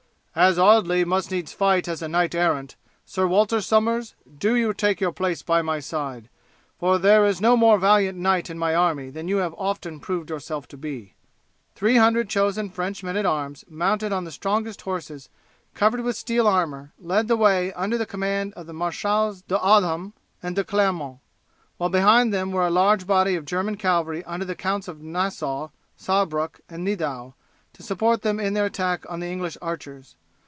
"As Audley must needs fight as a knight errant, Sir Walter Somers, do you take your place by my side, for there is no more valiant knight in my army than you have often proved yourself to be." Three hundred chosen French men at arms mounted on the strongest horses covered with steel armour, led the way under the command of the Marechals D'Audeham and De Clermont; while behind them were a large body of German cavalry under the Counts of Nassau, Saarbruck, and Nidau, to support them in their attack on the English archers.